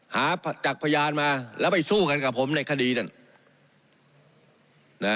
จากพยานมาแล้วไปสู้กันกับผมในคดีนั่น